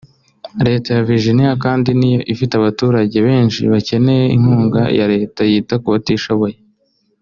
Leta ya Viriginia kandi ni yo ifite abaturage benshi bakenera inkunga ya Leta yita ku batishoboye